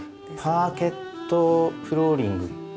パーケットフローリング。